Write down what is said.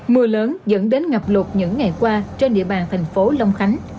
mưa lớn dẫn đến ngập lụt những ngày qua trên địa bàn thành phố long khánh